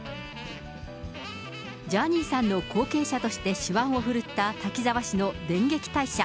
ジャニーさんの後継者として手腕を振るった滝沢氏の電撃退社。